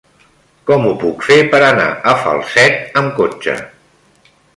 Com ho puc fer per anar a Falset amb cotxe?